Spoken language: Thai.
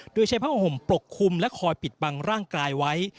โดยใช้ผ้าห่มปกคลุมและคอยปิดบังร่างกายไว้